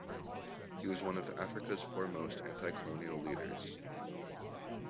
He was one of Africa's foremost anti-colonial leaders.